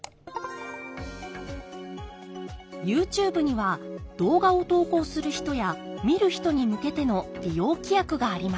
ＹｏｕＴｕｂｅには動画を投稿する人や見る人に向けての利用規約があります。